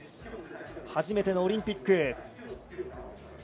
初めてのオリンピック。